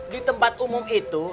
di tempat umum itu